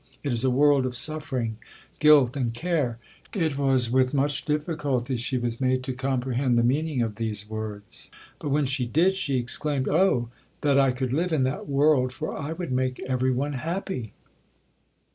It is a world of suffering, guilt, and care.' It was with much difficulty she was made to comprehend the meaning of these words, but when she did, she exclaimed, 'Oh, that I could live in that world, for I would make every one happy!'